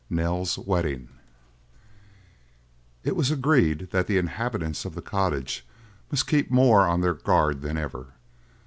NELL'S WEDDING It was agreed that the inhabitants of the cottage must keep more on their guard than ever.